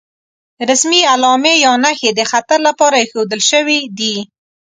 رسمي علامې یا نښې د خطر لپاره ايښودل شوې دي.